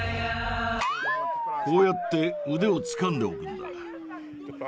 こうやって腕をつかんでおくんだ。